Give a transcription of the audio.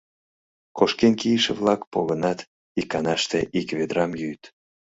Кошкен кийыше-влак погынат, иканаште ик ведрам йӱыт.